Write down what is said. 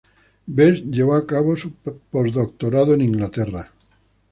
Best llevó a cabo su postdoctorado en Inglaterra.